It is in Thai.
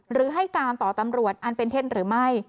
หรือให้การต่อตำรวจอันเป็นเท็จหรือไม่